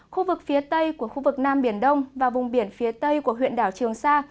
khu vực phía tây của khu vực nam biển đông và vùng biển phía tây của huyện đảo trường sa